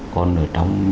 còn ở trong